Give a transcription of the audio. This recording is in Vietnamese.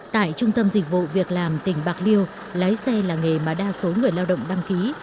tại trung tâm dịch vụ việc làm tỉnh bạc liêu lái xe là nghề mà đa số người lao động đăng ký